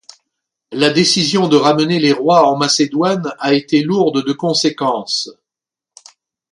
La décision de ramener les rois en Macédoine a été lourde de conséquences.